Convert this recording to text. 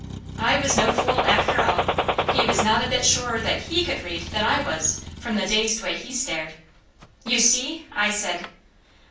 I was no fool after all. He was not a bit surer that HE could read than I was, from the dazed way he stared. "You see!" I said.